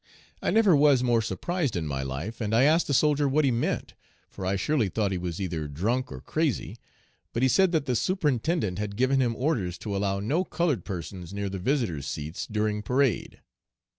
I never was more surprised in my life, and I asked the soldier what he meant, for I surely thought be was either drunk or crazy, but he said that the superintendent had given him orders to allow no colored persons near the visitors' seats during parade.